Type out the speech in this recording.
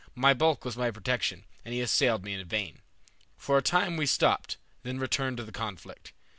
My bulk was my protection, and he assailed me in vain. For a time we stopped, then returned to the conflict.